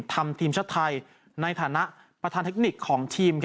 ทำทีมชาติไทยในฐานะประธานเทคนิคของทีม